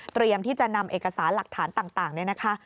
เตรียมที่จะนำเอกสารหลักฐานต่างเลยนะคะ